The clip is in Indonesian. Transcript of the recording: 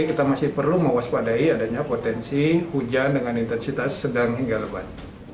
kita masih perlu mewaspadai adanya potensi hujan dengan intensitas sedang hingga lebat